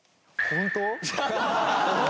本当？